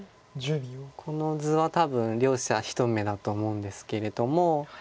この図は多分両者一目だと思うんですけれども。